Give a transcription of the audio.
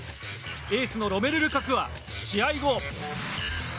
エースのロメル・ルカクは試合後。